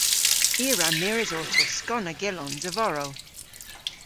I a wra mires orto skonna gyllons a-vorow.